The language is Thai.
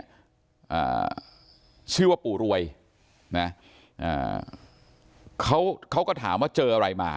อ่าชื่อว่าปู่รวยนะอ่าเขาเขาก็ถามว่าเจออะไรมา